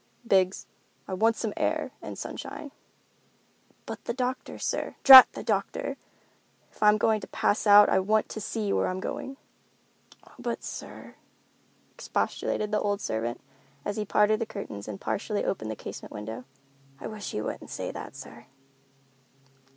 "Biggs, I want some air and sunshine." "But the doctor, sir——" "Drat the doctor! If I'm going to pass out I want to see where I'm going." "Oh, but sir," expostulated the old servant, as he parted the curtains and partially opened a casement window, "I wish you wouldn't say that, sir."